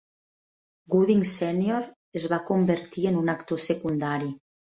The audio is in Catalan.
Gooding Senior es va convertir en un actor secundari.